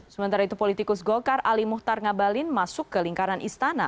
sementara itu politikus golkar ali muhtar ngabalin masuk ke lingkaran istana